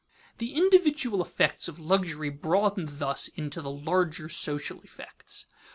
_ The individual effects of luxury broaden thus into the larger social effects.